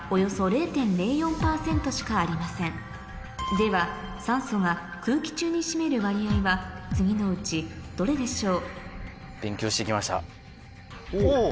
では酸素が空気中に占める割合は次のうちどれでしょう？